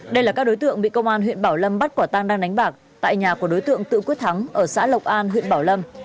đây là các đối tượng bị công an huyện bảo lâm bắt quả tang đang đánh bạc tại nhà của đối tượng tự quyết thắng ở xã lộc an huyện bảo lâm